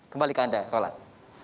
kembali ke anda roland